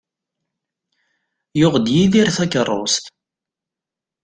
Yuɣ-d Yidir takerrust.